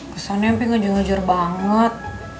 kesannya ampi ngejir ngejir banget